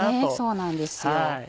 そうなんですよ。